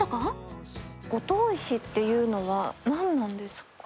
五島石っていうのは何なんですか？